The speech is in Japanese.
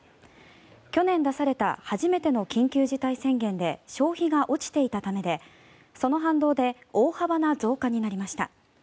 去年出された初めての緊急事態宣言で消費が落ちていたためでその反動で大幅な増加になりました。